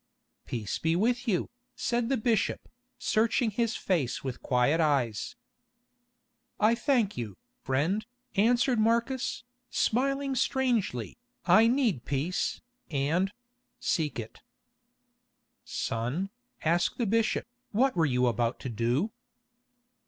"Peace be with you," said the bishop, searching his face with his quiet eyes. "I thank you, friend," answered Marcus, smiling strangely, "I need peace, and—seek it." "Son," asked the bishop, "what were you about to do?"